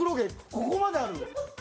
ここまである！